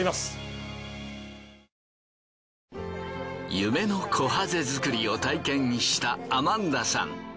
夢のこはぜ作りを体験したアマンダさん。